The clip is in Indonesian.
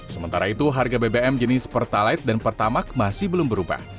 sementara itu harga bbm jenis pertalite dan pertamak masih belum berubah